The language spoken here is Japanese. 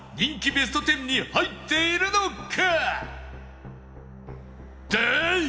ベスト１０に入っているのか？